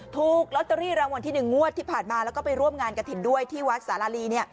ถูกลอตเตอรี่รางวัลที่๑งวดที่ผ่านมาแล้วก็ไปร่วมงานกระถิ่นด้วยที่วัดสาลาลี